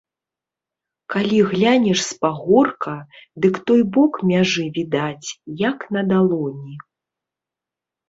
Калі глянеш з пагорка, дык той бок мяжы відаць, як на далоні.